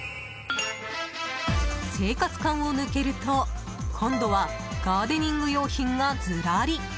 生活館を抜けると、今度はガーデニング用品がずらり。